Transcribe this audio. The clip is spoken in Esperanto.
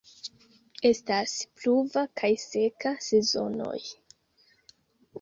Estas pluva kaj seka sezonoj.